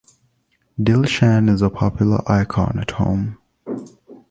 Dilshan is a popular icon at home.